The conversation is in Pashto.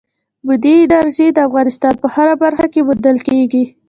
بادي انرژي د افغانستان په هره برخه کې موندل کېږي.